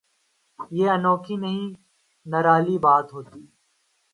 یہ انوکھی نہیں نرالی بات ہوتی۔